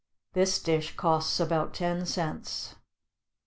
This dish costs about ten cents.